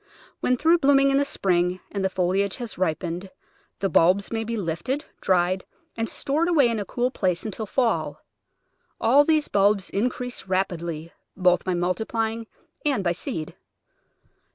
When through blooming in the spring, and the foliage has ripened, the bulbs may be lifted, dried, and stored away in a cool place until fall. All these bulbs increase rapidly, both by multiplying and by seed.